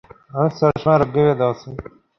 খোদা হাফেজ, বন্ধ।